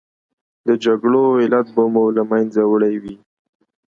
د جګړو علت به مو له منځه وړی وي.